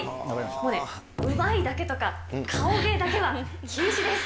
もうね、うまいだけとか、顔芸だけは禁止です。